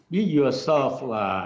be yourself lah